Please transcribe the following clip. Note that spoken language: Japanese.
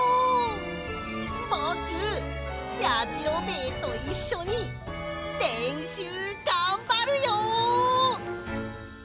ぼくやじろべえといっしょにれんしゅうがんばるよ！